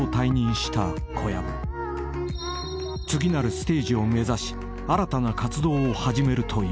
［次なるステージを目指し新たな活動を始めるという］